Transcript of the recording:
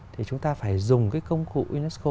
thì chúng ta phải dùng cái công cụ unesco